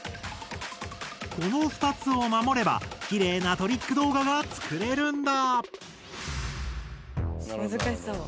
この２つを守ればきれいなトリック動画が作れるんだ。